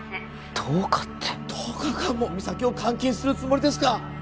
１０日って１０日間も実咲を監禁するつもりですか？